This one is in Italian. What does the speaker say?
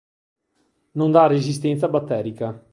Non dà resistenza batterica.